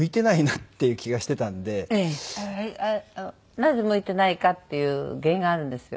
なぜ向いてないかっていう原因があるんですよ。